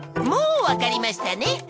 もうわかりましたね？